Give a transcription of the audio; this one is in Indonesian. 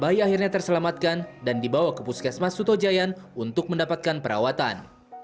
bayi bayinya terselamatkan dan dibawa ke puskesmas suto jayan untuk mendapatkan perawatan